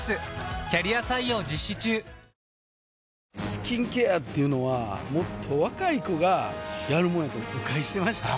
スキンケアっていうのはもっと若い子がやるもんやと誤解してました